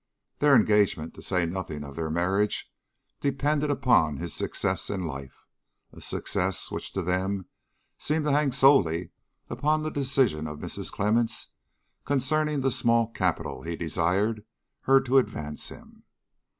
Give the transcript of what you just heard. Their engagement, to say nothing of their marriage, depended upon his success in life a success which to them seemed to hang solely upon the decision of Mrs. Clemmens concerning the small capital he desired her to advance him.